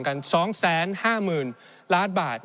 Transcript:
ในช่วงที่สุดในรอบ๑๖ปี